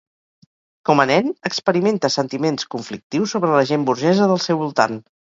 Com a nen, experimenta sentiments conflictius sobre la gent burgesa del seu voltant.